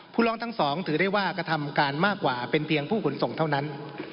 ร้องทั้งสองถือได้ว่ากระทำการมากกว่าเป็นเพียงผู้ขนส่งเท่านั้น